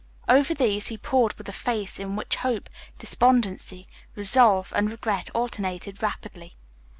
Over these he pored with a face in which hope, despondency, resolve, and regret alternated rapidly.